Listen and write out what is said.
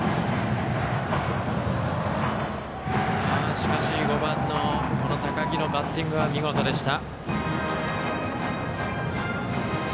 しかし５番の高木のバッティング見事でした。